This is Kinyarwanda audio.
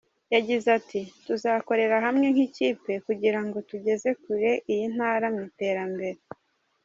Yagize ati : “Tuzakorera hamwe nk’ikipe kugirango tugeze kure iyi ntara mu iterambere”.